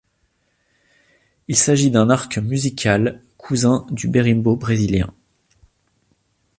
Il s'agit d'un arc musical, cousin du berimbau brésilien.